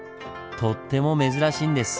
とっても珍しいんです。